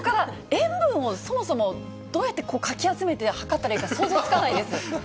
塩分をそもそも、どうやってかき集めて計ったらいいか、想像つかないです。